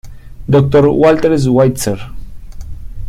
Dr. Walter Schweitzer.